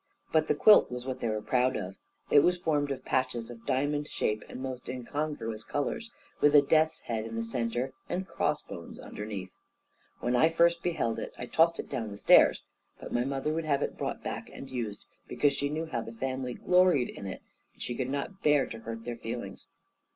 But the quilt was what they were proud of. It was formed of patches of diamond shape and most incongruous colours, with a death's head in the centre and crossbones underneath. When first I beheld it, I tossed it down the stairs, but my mother would have it brought back and used, because she knew how the family gloried in it, and she could not bear to hurt their feelings.